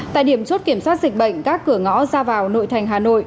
tại điểm chốt kiểm soát dịch bệnh các cửa ngõ ra vào nội thành hà nội